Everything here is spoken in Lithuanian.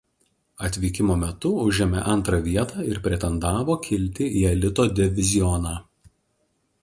Atvykimo metu užėmė antrą vietą ir pretendavo kilti į elito divizioną.